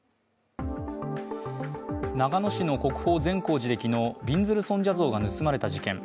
長野市の国宝、善光寺で昨日、びんずる尊者像が盗まれた事件。